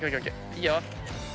いいよ。